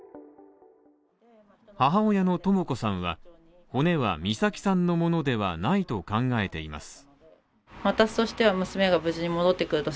母親のとも子さんは、骨は美咲さんのものではないと考えています。